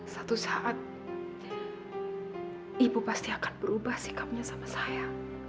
satu saat ibu pasti akan berubah sikapnya sama saya